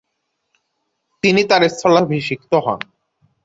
তিনি তার স্থলাভিশিক্ত হন।